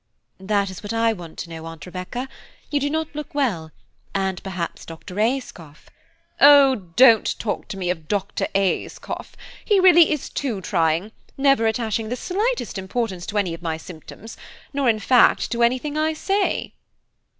"That is what I want to know, Aunt Rebecca; you do not look well, and perhaps Dr. Ayscough–" "Oh, don't talk to me of Dr. Ayscough, he really is too trying, never attaching the slightest importance to any of my symptoms, nor, in fact, to anything I say."